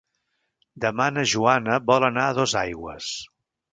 Demà na Joana vol anar a Dosaigües.